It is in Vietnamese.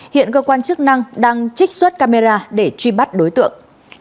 hiện cơ quan chức năng đang trích xuất camera để truy bắt đối tượng